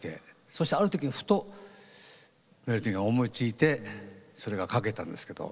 そしてある時ふとメロディーが思いついてそれが書けたんですけど。